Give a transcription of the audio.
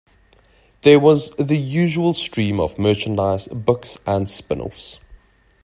There was the usual stream of merchandise, books and spin-offs.